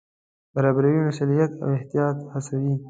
برابري مسوولیت او احتیاط هڅوي.